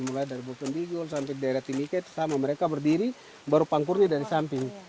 mulai dari bukendigul sampai daerah timikai sama mereka berdiri baru pangkurnya dari samping